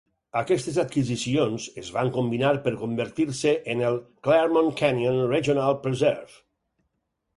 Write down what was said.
Aquestes adquisicions es van combinar per convertir-se en la Claremont Canyon Regional Preserve.